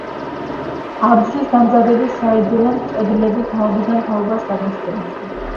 აბჯრის დამზადების საიდუმლოს მჭედლები თაობიდან თაობას გადასცემდნენ.